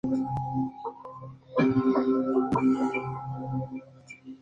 Para Viña del Mar, se usaron las posiciones finales de Punta del Este.